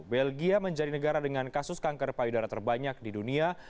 belgia menjadi negara dengan kasus kanker payudara terbanyak di dunia